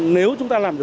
nếu chúng ta làm được thì